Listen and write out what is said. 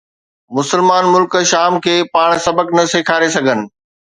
مسلمان ملڪ شام کي پاڻ سبق نه سيکاري سگهن